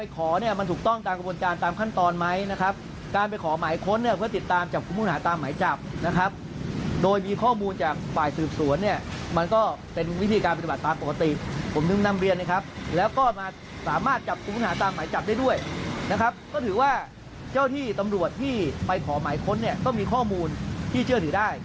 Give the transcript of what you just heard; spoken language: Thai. ขอหมายค้นเนี่ยก็มีข้อมูลที่เชื่อถือได้